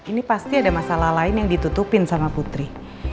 ini pasti ada masalah lain yang ditutupin sama putri